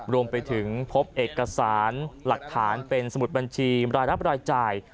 รวมไปถึงพบเอกสารหลักฐานเป็นสมุดบัญชีรายรับรายจ่าย